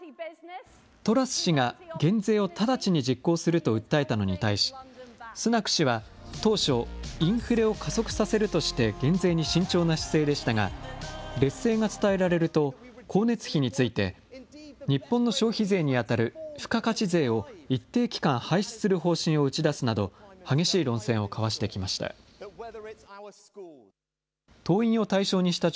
トラス氏が減税を直ちに実行すると訴えたのに対し、スナク氏は、当初、インフレを加速させるとして減税に慎重な姿勢でしたが、劣勢が伝えられると、光熱費について、日本の消費税に当たる付加価値税を一定期間、廃止する方針を打ち出すなど、激しい論戦を交わしてきました。